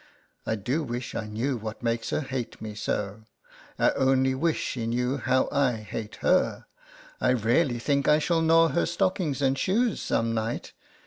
I do wish I knew what makes her hate me so : I only wish she knew how I hate her. I really think I shall gnaw her stockings and shoes some night.